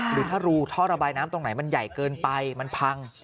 หรือถ้ารูท่อระบายน้ำตรงไหนมันใหญ่เกินไปมันพัง